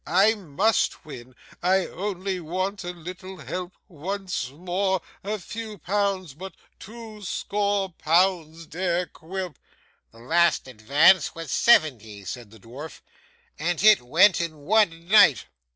I MUST win. I only want a little help once more, a few pounds, but two score pounds, dear Quilp.' 'The last advance was seventy,' said the dwarf; 'and it went in one night.